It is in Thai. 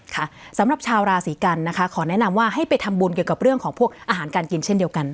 สำหรับชาวราศีกันนะคะขอแนะนำว่าให้ไปทำบุญเกี่ยวกับเรื่องของพวกอาหารการกินเช่นเดียวกัน